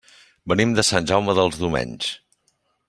Venim de Sant Jaume dels Domenys.